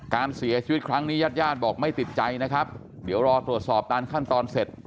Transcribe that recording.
การเสียชีวิตครั้งนี้ญาติญาติบอกไม่ติดใจนะครับเดี๋ยวรอตรวจสอบตามขั้นตอนเสร็จ